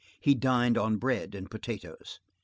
He dined on bread and potatoes.